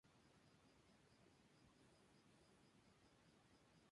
Federalista de convicciones firmes.